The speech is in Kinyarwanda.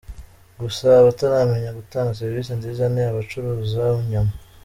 Gusa, abataramenya gutanga serivisi nziza ni abacuruza inyama.